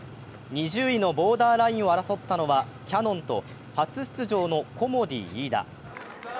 ２０位のボーダーラインを争ったのはキヤノンと、初出場のコモディイイダ。